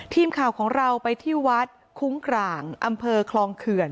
ทีมข่าวของเราไปที่วัดคุ้งกลางอำเภอคลองเขื่อน